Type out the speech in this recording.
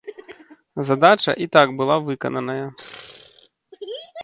Задача і так была выкананая.